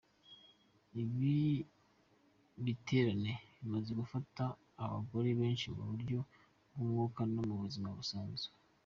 Ibi biterane bimaze gufasha abagore benshi mu buryo bw'umwuka no mu buzima busanzwe.